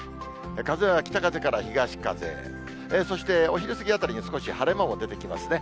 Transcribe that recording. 風は北風から東風、そしてお昼過ぎあたりに少し晴れ間も出てきますね。